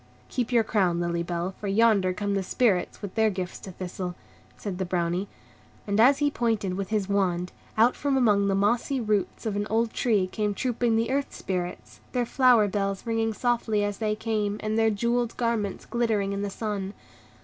"Keep your crown, Lily Bell, for yonder come the Spirits with their gifts to Thistle," said the Brownie. And, as he pointed with his wand, out from among the mossy roots of an old tree came trooping the Earth Spirits, their flower bells ringing softly as they came, and their jewelled garments glittering in the sun.